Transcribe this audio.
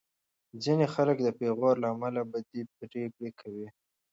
ځینې خلک د پېغور له امله بدې پرېکړې کوي.